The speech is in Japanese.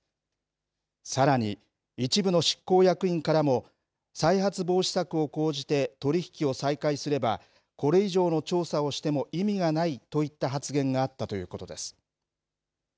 さらに、一部の執行役員からも再発防止策を講じて取り引きを再開すれば、これ以上の調査をしても意味がないといった発言があったということです。